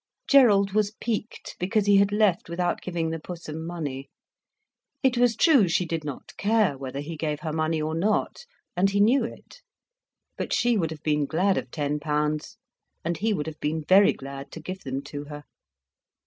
Gerald was piqued because he had left without giving the Pussum money. It was true, she did not care whether he gave her money or not, and he knew it. But she would have been glad of ten pounds, and he would have been very glad to give them to her.